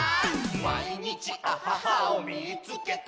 「まいにちアハハをみいつけた！」